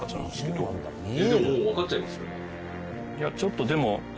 いやちょっとでも今。